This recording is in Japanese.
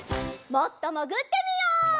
もっともぐってみよう！